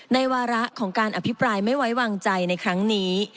วาระของการอภิปรายไม่ไว้วางใจในครั้งนี้